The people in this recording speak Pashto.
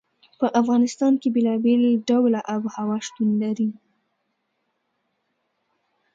په افغانستان کې بېلابېل ډوله آب وهوا شتون لري.